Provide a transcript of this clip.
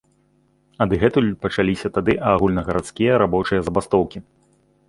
Адгэтуль пачаліся тады агульнагарадскія рабочыя забастоўкі.